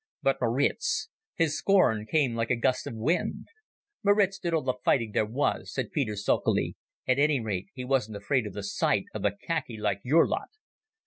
But Maritz!" His scorn came like a gust of wind. "Maritz did all the fighting there was," said Peter sulkily. "At any rate he wasn't afraid of the sight of the khaki like your lot."